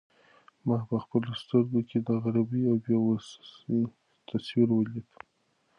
ما په خپلو سترګو کې د غریبۍ او بې وسۍ تصویر ولید.